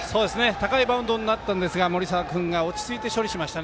高いバウンドになったんですか森澤君が落ち着いて処理しました。